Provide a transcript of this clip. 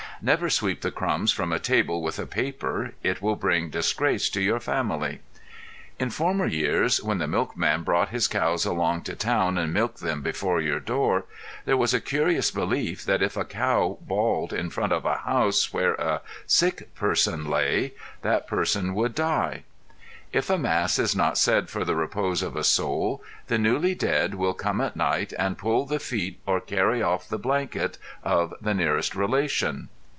Never sweep the crumbs from a table with a paper; it will bring disgrace to your family. In former years, when the milk man brought his cows along to town and milked them before your door, there was a curious belief that if a cow bawled in front of a house where a sick person lay, that person would die. If a mass is not said for the repose of a soul, the newly dead will come at night and pull the feet or carry off the blanket of the nearest relation.